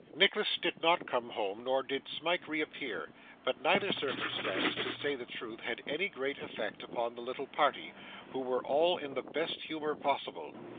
Nicholas did not come home nor did Smike reappear; but neither circumstance, to say the truth, had any great effect upon the little party, who were all in the best humour possible.